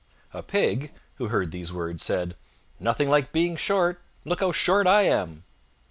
A Pig, who heard these words, said, "Nothing like being short! Look how short I am!"